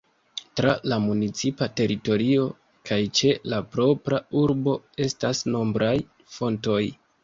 Tra la municipa teritorio kaj ĉe la propra urbo estas nombraj fontoj.